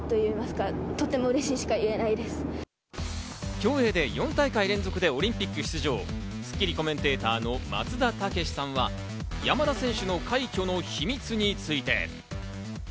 競泳で４大会連続でオリンピック出場、『スッキリ』コメンテーターの松田丈志さんは、山田選手の快挙の秘密について。